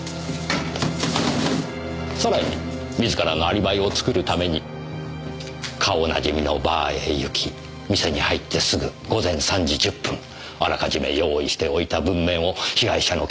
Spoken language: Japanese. さらに自らのアリバイを作るために顔なじみのバーへ行き店に入ってすぐ午前３時１０分あらかじめ用意しておいた文面を被害者の携帯電話から送り。